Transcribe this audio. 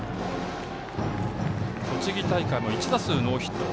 栃木大会、１打数ノーヒット。